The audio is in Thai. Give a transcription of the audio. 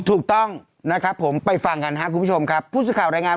ถูกต้องนะครับผมไปฟังกันครับคุณผู้ชมครับ